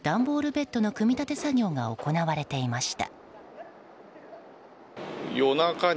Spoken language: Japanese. ベッドの組み立て作業が行われていました。